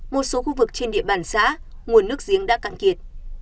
một số khu vực trên địa bàn xã nguồn nước giếng đã cạn kiệt